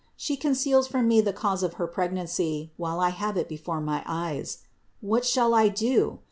She conceals from me the cause of her pregnancy, while I have it before my eyes. What shall I do?